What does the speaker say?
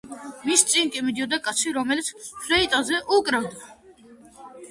მის წინ კი მიდიოდა კაცი რომელიც ფლეიტაზე უკრავდა.